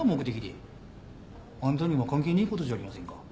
あんたには関係ねえことじゃありませんか。